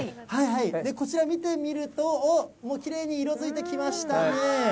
こちら見てみると、おっ、もうきれいに色づいてきましたね。